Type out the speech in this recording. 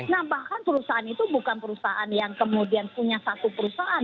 nah bahkan perusahaan itu bukan perusahaan yang kemudian punya satu perusahaan